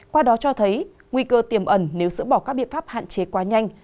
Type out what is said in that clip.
qua đó cho thấy nguy cơ tiềm ẩn nếu sỡ bỏ các biện pháp hạn chế quá nhanh